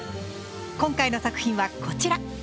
今回の作品はこちら。